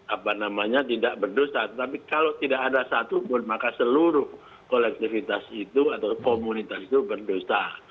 apa namanya tidak berdosa tapi kalau tidak ada satupun maka seluruh kolektivitas itu atau komunitas itu berdosa